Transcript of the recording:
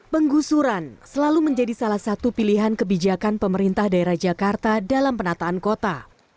penggusuran selalu menjadi salah satu pilihan kebijakan pemerintah daerah jakarta dalam penataan kota